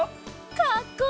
かっこいい！